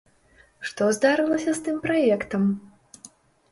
Што здарылася з тым праектам?